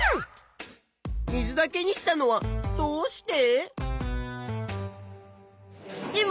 水だけにしたのはどうして？